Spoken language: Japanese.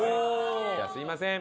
じゃあすいません。